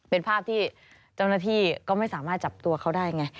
เป็นภาพที่เจ้าหน้าที่ก็ไม่สามารถจับตัวเขาได้ไง